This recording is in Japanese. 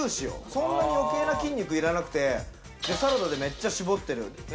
そんなに余計な筋肉いらなくて、サラダでめっちゃ絞ってる。